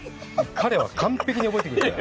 彼は完璧に覚えてくるから。